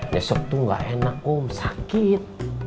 nyesek tuh gak enak kum sakit